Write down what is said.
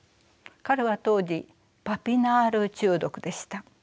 彼は当時パビナール中毒でした。